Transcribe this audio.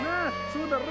そうだろ。